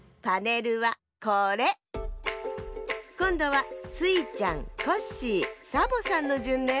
こんどはスイちゃんコッシーサボさんのじゅんね。